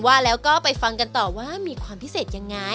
ว่าแล้วก็ไปฟังกันต่อว่ามีความพิเศษยังไง